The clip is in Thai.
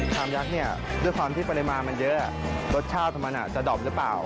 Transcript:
ยักษ์เนี่ยด้วยความที่ปริมาณมันเยอะรสชาติมันจะดอบหรือเปล่า